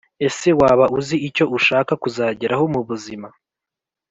Ese waba uzi icyo ushaka kuzageraho mu buzima